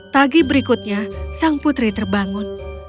pagi berikutnya sang putri terbangun